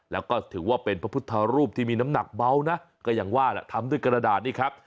แล้วก็ถือว่าเป็นพระพุทธรูปที่มีน้ำหนักเบานะก็อย่างว่าแหละทำด้วยกระดาษนี่ครับ